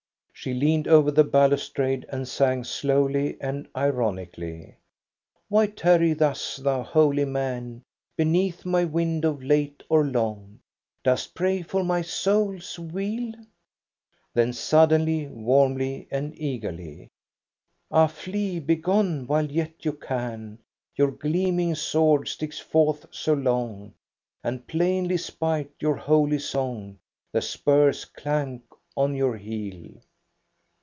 She leaned over the balustrade and sang slowly and ironically :" Why tarry thus, thou holy man Beneath my window late or long ? Dost pray for my souPs weal ?" Then suddenly, warmly and eagerly :—" Ah, flee, begone while yet you can ! Your gleaming sword sticks forth so long, And plainly, spite your holy song. The spurs clank on your heel."